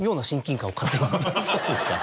そうですか。